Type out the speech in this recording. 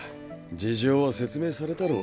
事情は説明されたろ。